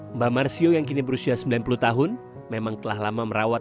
mbah marsio yang kini berusia sembilan puluh tahun memang telah lama merawat